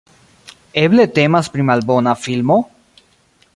Eble temas pri malbona filmo?